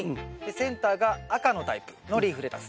センターが赤のタイプのリーフレタス。